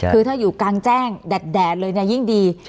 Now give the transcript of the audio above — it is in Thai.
คือถ้าอยู่กลางแจ้งแดดเลยเนี่ยยิ่งดี